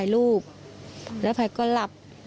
อยู่ดีมาตายแบบเปลือยคาห้องน้ำได้ยังไง